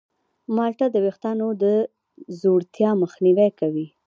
مالټه د ویښتانو د ځوړتیا مخنیوی کوي.